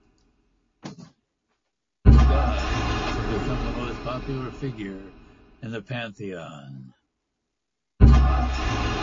The god had become the most popular figure in the pantheon.